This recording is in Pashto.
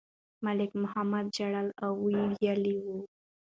ملک محمد ژړل او ویلي یې وو.